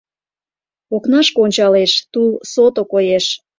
Окнашке ончалеш, тул сото коеш.